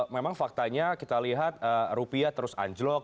memang faktanya kita lihat rupiah terus anjlok